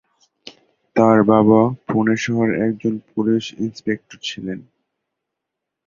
তার বাবা পুনে শহরে একজন পুলিশ ইন্সপেক্টর ছিলেন।